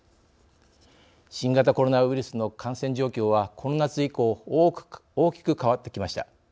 新型コロナウイルスの感染状況はこの夏以降大きく変わってきました。